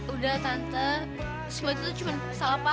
udah tante semua itu cuma salah paham